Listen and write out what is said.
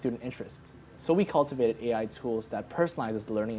jadi kami memanfaatkan alat ai yang memperkuat pengalaman pelajaran